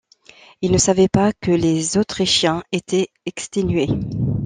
Ils ne savaient pas que les Autrichiens étaient exténués.